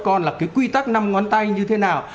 con là cái quy tắc năm ngón tay như thế nào